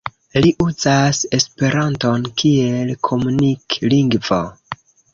Li uzas esperanton kiel komunik-lingvo.